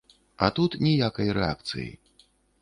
А тут ніякай рэакцыі.